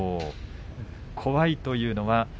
怖いというのは？